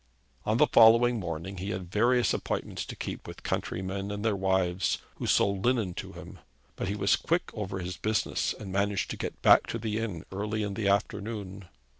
On the following morning he had various appointments to keep with countrymen and their wives, who sold linen to him, but he was quick over his business and managed to get back to the inn early in the afternoon.